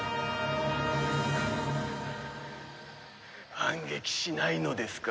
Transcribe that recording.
反撃しないのですか？